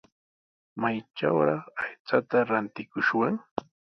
¿Maytrawraq aychata rantikushwan?